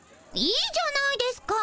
いいじゃないですか。